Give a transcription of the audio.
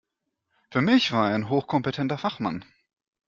Für mich war er ein hochkompetenter Fachmann.